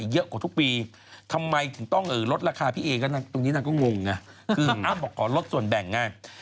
คืออ้ามบอกก่อลดส่วนแบ่งไง